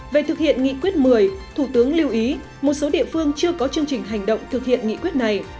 về thực hiện nghị quyết một mươi thủ tướng lưu ý một số địa phương chưa có chương trình hành động thực hiện nghị quyết này